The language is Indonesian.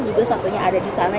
juga satunya ada di sana